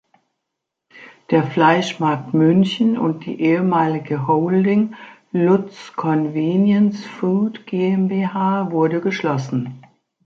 Der Fleischmarkt München und die ehemalige Holding Lutz Convenience Food GmbH wurde geschlossen.